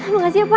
makasih ya pak